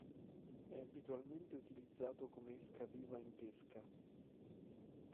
È abitualmente utilizzato come esca viva in pesca.